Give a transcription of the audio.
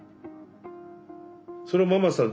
それはママさん